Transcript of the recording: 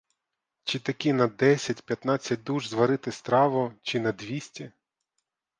Чи таки на десять-п'ятнадцять душ зварити страву, чи на двісті.